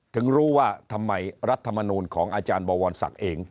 ถึงรู้ว่าทำไมรัฐมนูลของอาจารย์บวรศักดิ์เอง